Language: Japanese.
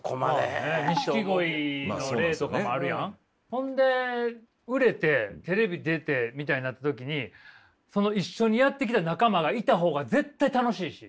ほんで売れてテレビ出てみたいになった時にその一緒にやってきた仲間がいた方が絶対楽しいし。